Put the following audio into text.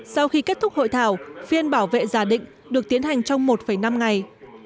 sau khi kết thúc hội thảo phiên bảo vệ giả định được tiến hành trong một năm ngày